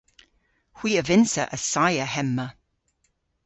Hwi a vynnsa assaya hemma.